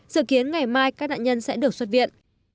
dự kiến ngày mai các nạn nhân sẽ được xuất viện